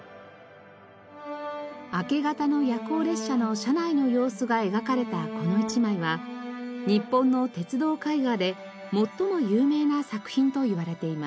明け方の夜行列車の車内の様子が描かれたこの一枚は日本の鉄道絵画で最も有名な作品と言われています。